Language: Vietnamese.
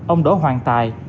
ông đỗ hoàng tài